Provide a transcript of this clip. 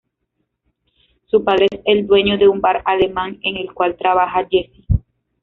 Su padre es el dueño de un bar alemán en el cual trabaja Jesse.